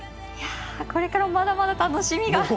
これからも、まだまだ楽しみが。